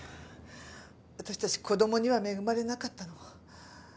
私たち子供には恵まれなかったの。